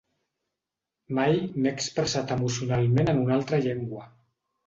Mai m’he expressat emocionalment en una altra llengua.